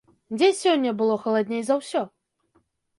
Дзе сёння было халадней за ўсё?